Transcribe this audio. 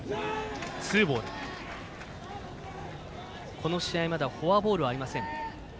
この試合、まだフォアボールはありません。